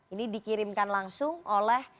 ini dikirimkan langsung oleh